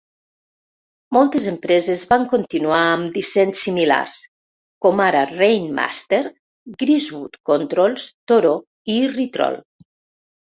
Moltes empreses van continuar amb dissenys similars, com ara Rainmaster, Griswold Controls, Toro, i Irritrol.